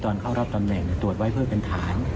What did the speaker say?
เข้ารับตำแหน่งตรวจไว้เพื่อเป็นฐาน